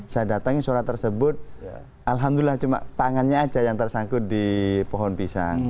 saya datangin surat tersebut alhamdulillah cuma tangannya aja yang tersangkut di pohon pisang